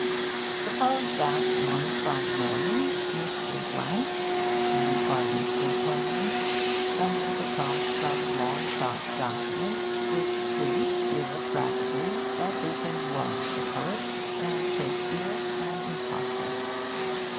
Suppose that one fine morning, Mr. Blank, an ardent Baconian, stumbled across some long sought document which proved irrefragably that Bacon was the poet, and Shakespeare an impostor.